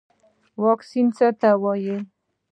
واکسین څه ته وایي